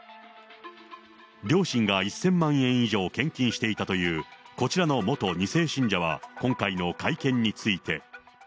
両親が１０００万円以上献金していたという、こちらの元２世信者は、今回の会見について。